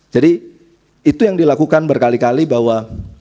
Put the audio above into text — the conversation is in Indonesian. jadi itu yang dilakukan berkali kali bahwa